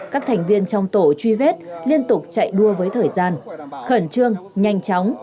các thành viên trong tổ truy vết liên tục chạy đua với thời gian khẩn trương nhanh chóng